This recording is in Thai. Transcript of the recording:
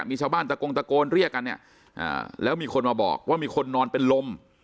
มีชาวบ้านตะโกงตะโกนเรียกกันเนี่ยแล้วมีคนมาบอกว่ามีคนนอนเป็นลม